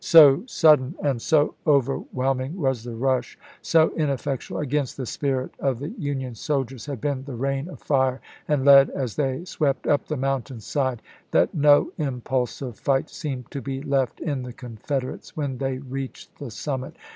So sudden and so overwhelming was the rush, so ineffectual against the spirit of the Union soldiers had been the rain of fire and lead as they swept up the mountain side, that no impulse of fight seemed to be left in the Confederates when they reached the summit.